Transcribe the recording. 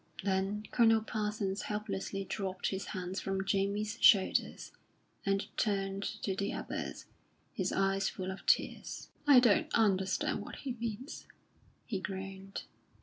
Then Colonel Parsons helplessly dropped his hands from Jamie's shoulders, and turned to the others, his eyes full of tears. "I don't understand what he means!" he groaned.